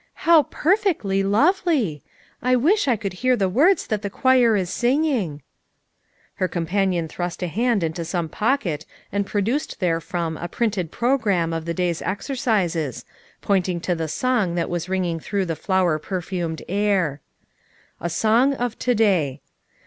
"How perfectly lovely! I wish I could hear the words that the choir is singing !'' Her companion thrust a hand into some pocket and produced therefrom a printed pro gram of the day's exercises, pointing to the song that was ringing through the flower per fumed air. "A SONG OF TO DAY.